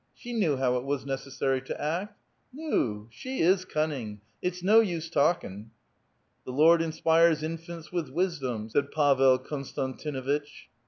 She knew how it was neces sary to act. Nu! she is cunning ; it's no use talkin'." "The Lord inspires infants with wisdom," said Pavel Eonstantin uitch